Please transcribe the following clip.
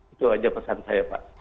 itu aja pesan saya pak